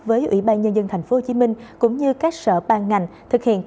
với ủy ban nhân dân tp hcm cũng như các sở ban ngành